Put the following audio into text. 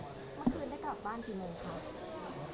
เมื่อคืนได้กลับบ้านกี่โมงคะ